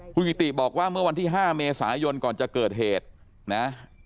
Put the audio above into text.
คุณกิติบอกว่าเมื่อวันที่๕เมษายนก่อนจะเกิดเหตุนะ